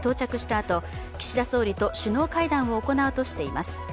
あと岸田総理と首脳会談を行うとしています。